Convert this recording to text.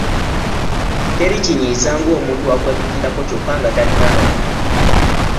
Teri kinyiiza ng’omuntu akwepikirako kyokka nga talina maanyi.